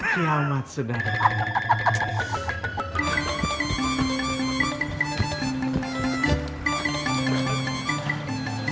kiamat sudah dekat